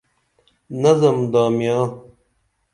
نظم دامیاں